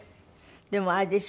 でもあれでしょ。